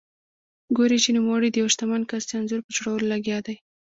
ګوري چې نوموړی د یوه شتمن کس د انځور په جوړولو لګیا دی.